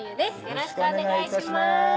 「よろしくお願いします」